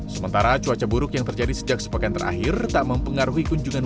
sementara cuaca buruk yang terjadi sejak sepekan terakhir tak mempengaruhi kunjungan